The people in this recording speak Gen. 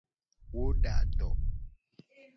Wo da do.